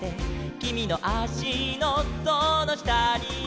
「きみのあしのそのしたには」